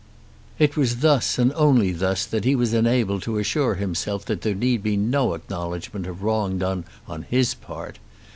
It was thus and only thus that he was enabled to assure himself that there need be no acknowledgment of wrong done on his part.